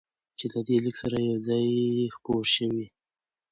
چې له دې لیک سره یو ځای خپور شوی،